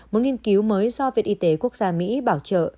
một nghiên cứu mới do viện y tế quốc gia mỹ bảo trợ